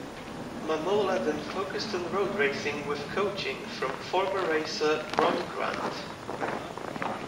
Mamola then focused on road racing with coaching from former racer, Ron Grant.